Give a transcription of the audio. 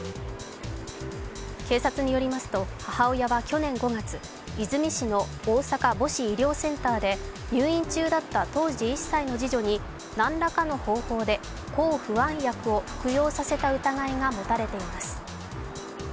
警察によりますと母親は去年５月、和泉市の大阪母子医療センターで入院中だった当時１歳の次女に何らかの方法で抗不安薬を服用させた疑いが持たれています。